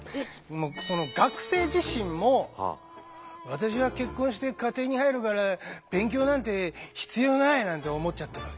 学生自身も「私は結婚して家庭に入るから勉強なんて必要ない」なんて思っちゃってるわけ。